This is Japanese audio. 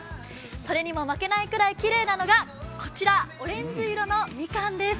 それにも負けないくらいきれいなのがこちら、オレンジ色のみかんです。